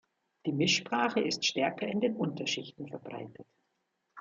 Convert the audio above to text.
Die Mischsprache ist stärker in den Unterschichten verbreitet.